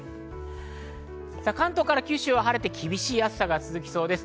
関東から九州は晴れて、厳しい暑さが続きそうです。